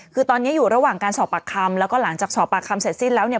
คือตอนนี้อยู่ระหว่างการสอบปากคำแล้วก็หลังจากสอบปากคำเสร็จสิ้นแล้วเนี่ย